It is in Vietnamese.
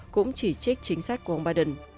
cũng chỉ trích chính sách của ông biden